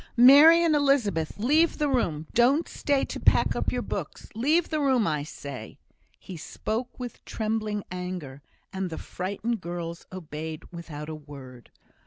"Mary and Elizabeth, leave the room. Don't stay to pack up your books. Leave the room, I say!" He spoke with trembling anger, and the frightened girls obeyed without a word.